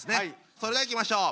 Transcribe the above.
それではいきましょう。